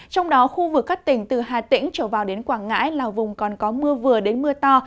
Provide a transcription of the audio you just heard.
trong đó khu vực các tỉnh từ hà tĩnh trở vào đến quảng ngãi là vùng còn có mưa vừa đến mưa to